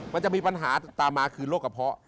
มันจะมีปัญหาตามมาคือโรคกระเพาะ